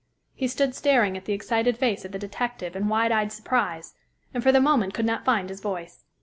He stood staring at the excited face of the detective in wide eyed surprise, and for the moment could not find his voice.